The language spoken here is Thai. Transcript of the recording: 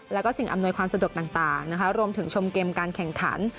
แล้วก็สิ่งอำนวยความสะดวกต่างรวมถึงชมเกมการแข่งขัน